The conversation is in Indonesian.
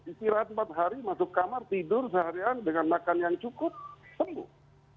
istirahat empat hari masuk kamar tidur seharian dengan makan yang cukup sembuh